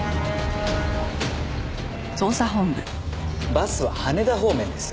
バスは羽田方面です。